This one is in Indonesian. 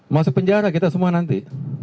masuk penjara kita semua nanti